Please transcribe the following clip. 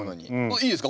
いいですか？